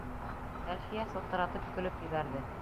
Әлфиә сылтыратып көлөп ебәрҙе: